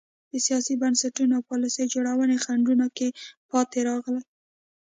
د سیاسي بنسټونو او پالیسۍ جوړونې خنډونو کې پاتې راغلي.